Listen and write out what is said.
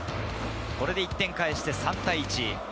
これで１点返して３対１。